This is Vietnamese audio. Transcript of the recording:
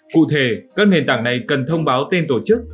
cụ thể các nền tảng này cần thông báo tên tổ chức